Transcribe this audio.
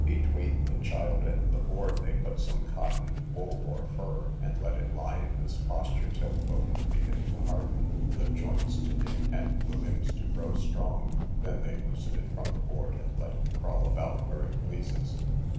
Between the child and the board they put some cotton, wool, or fur, and let it lie in this posture till the bones begin to harden, the joints to knit, and the limbs to grow strong; they then loosen it from the board, and let it crawl about where it pleases.